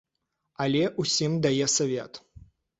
Але ўсім дае савет.